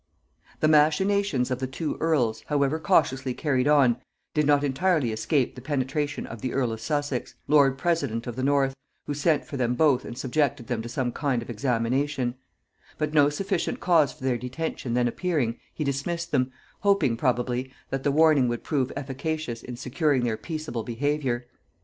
The machinations of the two earls, however cautiously carried on, did not entirely escape the penetration of the earl of Sussex, lord president of the north, who sent for them both and subjected them to some kind of examination; but no sufficient cause for their detention then appearing, he dismissed them, hoping probably that the warning would prove efficacious in securing their peaceable behaviour.